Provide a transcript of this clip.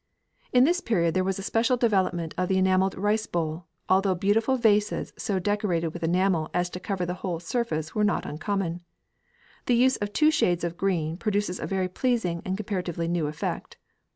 In this period there was a special development of the enamelled rice bowl, although beautiful vases so decorated with enamel as to cover the whole surface are not uncommon. The use of two shades of green produces a very pleasing and comparatively new effect.